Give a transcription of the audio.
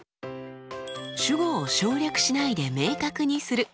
主語を省略しないで明確にする。